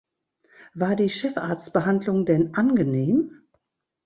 War die Chefarztbehandlung denn angenehm?